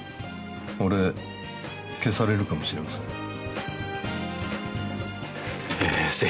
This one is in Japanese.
俺、消されるかもしれません。